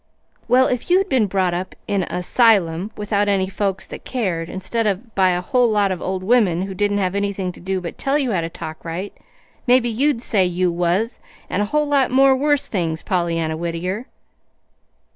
"Well, if you'd been brought up in a 'sylum without any folks that cared, instead of by a whole lot of old women who didn't have anything to do but tell you how to talk right, maybe you'd say 'you was,' and a whole lot more worse things, Pollyanna Whittier!"